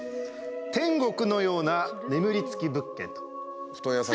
天国のような眠り付き物件と。